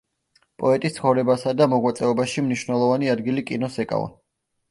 პოეტის ცხოვრებასა და მოღვაწეობაში მნიშვნელოვანი ადგილი კინოს ეკავა.